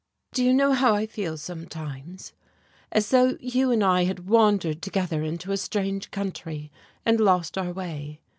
"Do you know how I feel sometimes? as though you and I had wandered together into a strange country, and lost our way.